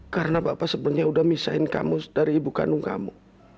karena bapak sebenarnya udah misahin kamu dari ibu kandung kamu